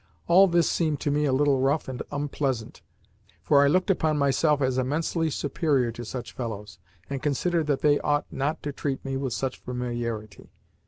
All this seemed to me a little rough and unpleasant, for I looked upon myself as immensely superior to such fellows, and considered that they ought not to treat me with such familiarity.